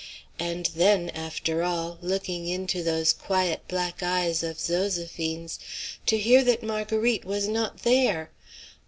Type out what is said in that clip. And then, after all! looking into those quiet black eyes of Zoséphine's, to hear that Marguerite was not there!